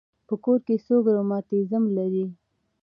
په کور کې څوک رماتیزم لري.